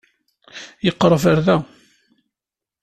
Yeqreb ɣer da?